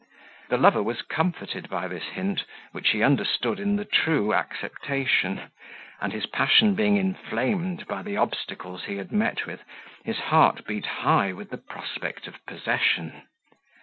The lover was comforted by this hint, which he understood in the true acceptation; and his passion being inflamed by the obstacles he had met with, his heart beat high with the prospect of possession.